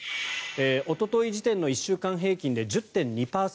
おととい時点の１週間平均で１０．２％。